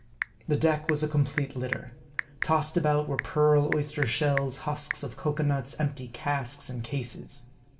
The deck was a complete litter. Tossed about were pearl oyster shells, husks of cocoa nuts, empty casks, and cases.